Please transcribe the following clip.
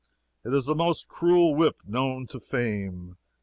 It is the most cruel whip known to fame.